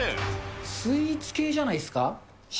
スイーツ系じゃないですか？